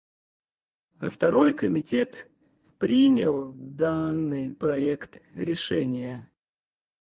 Второй комитет принял данный проект решения.